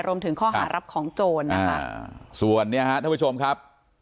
รวมถึงข้อหารับของโจรนะคะส่วนเนี่ยฮะท่านผู้ชมครับ